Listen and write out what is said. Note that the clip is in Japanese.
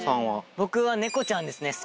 僕はネコちゃんですね。